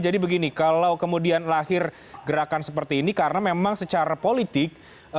jadi begini kalau kemudian lahir gerakan seperti ini karena memang secara politik